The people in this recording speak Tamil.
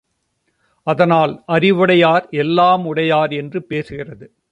அதனால் அறிவுடையார் எல்லாம் உடையார் என்று பேசுகிறது.